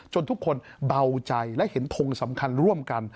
ทุกคนเบาใจและเห็นทงสำคัญร่วมกัน